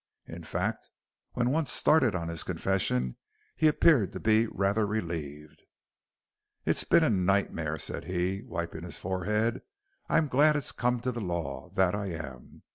In fact, when once started on his confession, he appeared to be rather relieved. "It's been a nightmare," said he, wiping his forehead. "I'm glad it's come to the lawr, that I am.